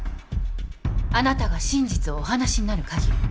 あなたが真実をお話しになる限り。